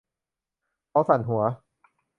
เขาสั่นหัว